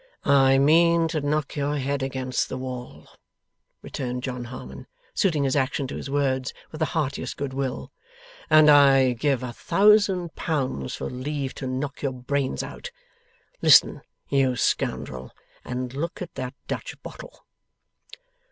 'I mean to knock your head against the wall,' returned John Harmon, suiting his action to his words, with the heartiest good will; 'and I'd give a thousand pounds for leave to knock your brains out. Listen, you scoundrel, and look at that Dutch bottle.